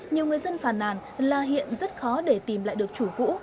nhiều người dân phàn nàn là hiện rất khó để tìm lại được chủ cũ